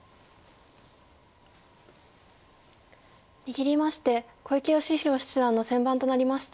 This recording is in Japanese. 握りまして小池芳弘七段の先番となりました。